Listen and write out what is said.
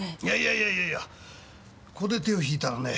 いやいやいやここで手を引いたらね